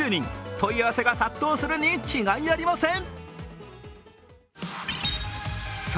問い合わせが殺到するに違いありません。